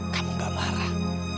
kamu enggak marah